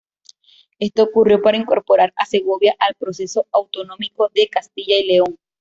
Esto ocurrió para incorporar a Segovia al proceso autonómico de Castilla y León.